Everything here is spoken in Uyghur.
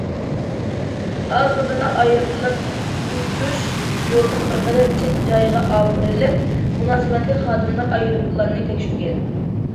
ئارقىدىنلا ئايروپىلان ئۇچۇش يولىنىڭ بىر قەدەر چەت جايىغا ئاپىرىلىپ، مۇناسىۋەتلىك خادىملار ئايروپىلاننى تەكشۈرگەن.